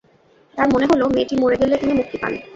তাঁর মনে হল, মেয়েটি মরে গেলে তিনি মুক্তি পান।